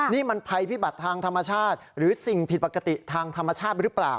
นี่มันภัยพิบัติทางธรรมชาติหรือสิ่งผิดปกติทางธรรมชาติหรือเปล่า